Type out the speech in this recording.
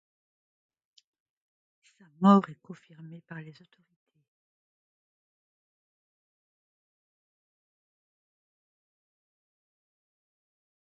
Sa mort est confirmée par les autorités.